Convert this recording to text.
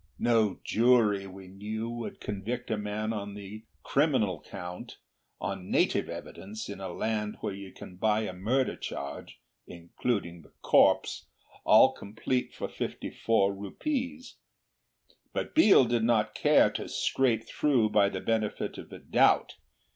No jury, we knew, would convict a man on the criminal count on native evidence in a land where you can buy a murder charge, including the corpse, all complete for fifty four rupees; but Biel did not care to scrape through by the benefit of a doubt.